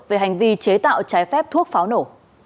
về hành vi chế tạo trái phép thuốc pháo nổ